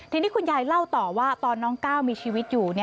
ทีนี้คุณยายเล่าต่อว่าตอนน้องก้าวมีชีวิตอยู่